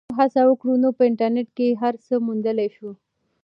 که موږ هڅه وکړو نو په انټرنیټ کې هر څه موندلی سو.